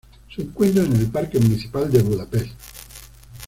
Se encuentra en el Parque Municipal de Budapest.